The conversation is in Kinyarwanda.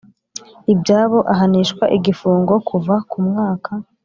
Ibyabo ahanishwa igifungo kuva ku mwaka